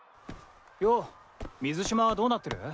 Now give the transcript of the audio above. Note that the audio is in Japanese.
よう水嶋はどうなってる？